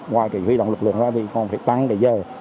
ngoài cái huy động lực lượng ra thì còn phải tăng cái giờ